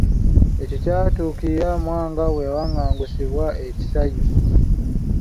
Ekyo kyatuukirira Mwanga bwe yawannangusirizibwa e Kisayu.